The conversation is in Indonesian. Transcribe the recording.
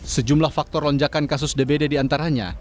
sejumlah faktor lonjakan kasus dbd diantaranya